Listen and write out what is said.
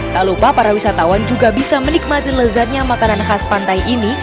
tak lupa para wisatawan juga bisa menikmati lezatnya makanan khas pantai ini